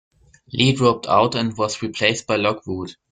Lee dropped out and was replaced by Lockwood.